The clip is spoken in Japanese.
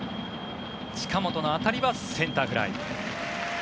近本の当たりはセンターフライ。